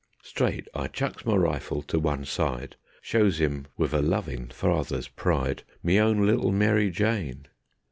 Straight I chucks my rifle to one side; Shows 'im wiv a lovin' farther's pride Me own little Mary Jane.